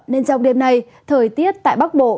ngày hôm nay thời tiết tại bắc bộ